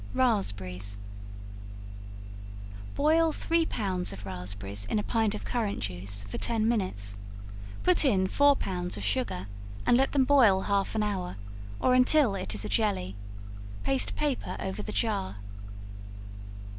Raspberries. Boil three pounds of raspberries in a pint of currant juice, for ten minutes; put in four pounds of sugar, and let them boil half an hour, or until it is a jelly. Paste paper over the jar.